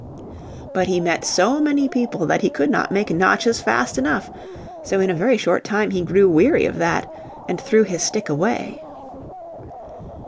But he met so many people that he could not make notches fast enough; so in a very short time he grew weary of that and threw his stick away.